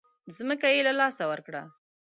ځمکه یې له لاسه ورکړه.